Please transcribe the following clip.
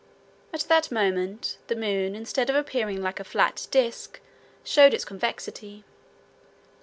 At that moment, the moon, instead of appearing flat like a disc, showed its convexity.